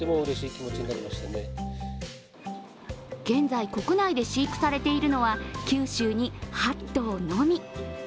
現在、国内で飼育されているのは九州に８頭のみ。